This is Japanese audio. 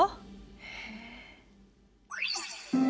へえ。